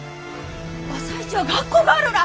朝市は学校があるら！